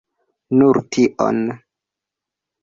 Nur tion.